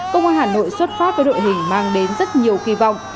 công an hà nội xuất phát với đội hình mang đến rất nhiều kỳ vọng